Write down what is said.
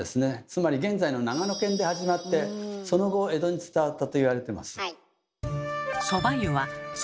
つまり現在の長野県で始まってその後江戸に伝わったと言われてます。